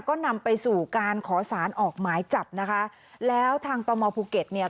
ก็นำไปสู่การขอสารออกหมายจับนะคะแล้วทางตมภูเก็ตเนี่ย